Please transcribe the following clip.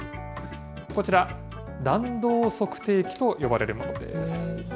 こちら、弾道測定器と呼ばれるものです。